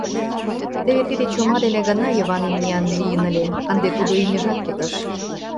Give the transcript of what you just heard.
Теве тиде чома дене гына Йыван имнян лийын ыле, ынде тудо имньыжат пытыш.